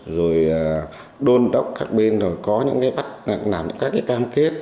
rồi đôn đốc các bên rồi có những cái bắt làm những các cái cam kết